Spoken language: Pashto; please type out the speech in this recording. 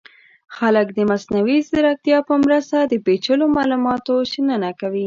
خلک د مصنوعي ځیرکتیا په مرسته د پیچلو معلوماتو شننه کوي.